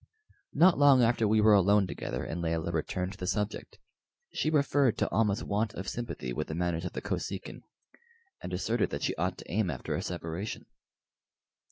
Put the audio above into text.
Not long after we were alone together, and Layelah returned to the subject. She referred to Almah's want of sympathy with the manners of the Kosekin, and asserted that she ought to aim after a separation.